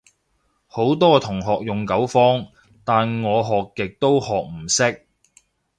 好多同學用九方，但我學極都學唔識